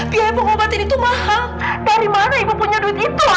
biaya pengobatan itu mahal dari mana ibu punya duit itu